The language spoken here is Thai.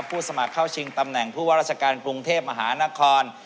สมัครเข้าชิงตำแหน่งผู้ว่าราชการกรุงเทพมหานคร